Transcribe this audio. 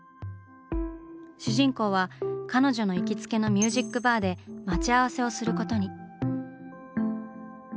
主人公は彼女の行きつけのミュージックバーで待ち合わせをすることに。